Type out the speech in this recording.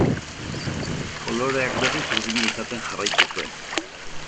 Koloreak berriz urdina izaten jarraitu zuen.